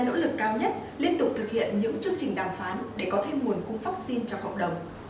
nỗ lực cao nhất liên tục thực hiện những chương trình đàm phán để có thêm nguồn cung vaccine cho cộng đồng